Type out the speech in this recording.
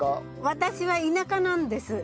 私は田舎なんです。